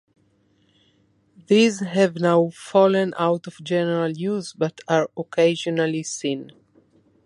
These have now fallen out of general use, but are occasionally seen.